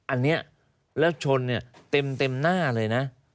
อันนี้แล้วชนเนี่ยเต็มหน้าเลยนะ